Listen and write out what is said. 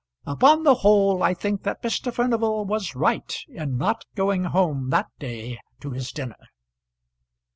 Upon the whole I think that Mr. Furnival was right in not going home that day to his dinner.